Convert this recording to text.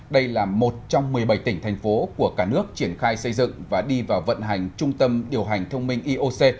đây là một trong một mươi bảy tỉnh thành phố của cả nước triển khai xây dựng và đi vào vận hành trung tâm điều hành thông minh eoc